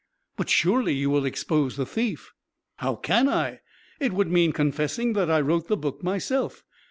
"But, surely you will expose the thief!" "How can I? It would mean confessing that I wrote the book myself.